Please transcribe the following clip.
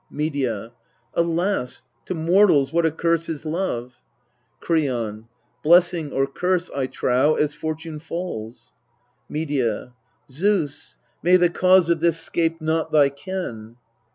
Medea. Alas ! to mortals what a curse is love ! Kreon. Blessing or curse, I trow, as fortune falls. Medea. Zeus, may the cause of this 'scape not thy ken